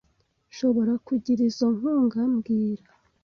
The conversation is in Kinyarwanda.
Nshobora kugira izoi nkunga mbwira